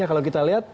kalau kita lihat